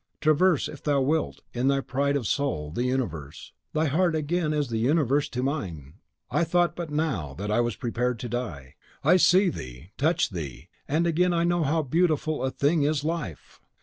Traverse, if thou wilt, in thy pride of soul, the universe; thy heart again is the universe to mine. I thought but now that I was prepared to die; I see thee, touch thee, and again I know how beautiful a thing is life!